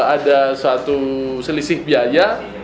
ada satu selisih biaya